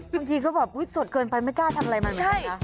บางทีก็แบบสดเกินไปไม่กล้าทำอะไรมันเหมือนกัน